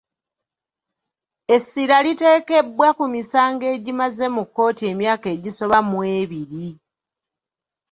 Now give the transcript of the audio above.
Essira liteekebbwa ku misango egimaze mu kkooti emyaka egisoba mu ebiri.